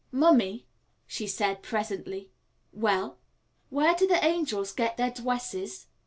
"Mummy," she said presently. "Well?" "Where do the angels get their dwesses?"